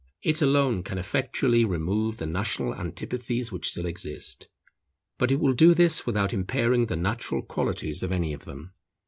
It alone can effectually remove the national antipathies which still exist. But it will do this without impairing the natural qualities of any of them.